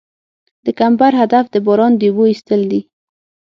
د کمبر هدف د باران د اوبو ایستل دي